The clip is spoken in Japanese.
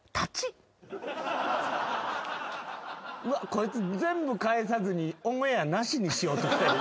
こいつ全部返さずにオンエアなしにしようとしてる。